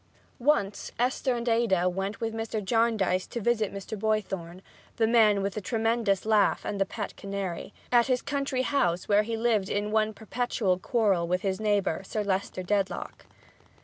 Once Esther and Ada went with Mr. Jarndyce to visit Mr. Boythorn the man with the tremendous laugh and the pet canary at his country house where he lived in one perpetual quarrel with his neighbor, Sir Leicester Dedlock.